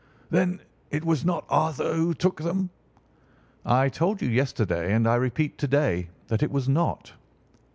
"Then it was not Arthur who took them?" "I told you yesterday, and I repeat to day, that it was not."